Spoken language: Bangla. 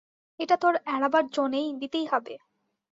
এটা তো আর এড়াবার যো নেই, দিতেই হবে।